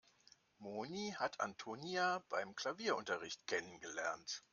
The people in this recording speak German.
Moni hat Antonia beim Klavierunterricht kennengelernt.